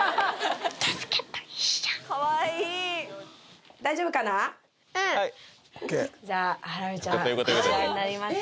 かわいいじゃあハラミちゃんこちらになります